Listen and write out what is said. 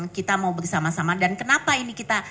kita mau bersama sama dan kenapa ini kita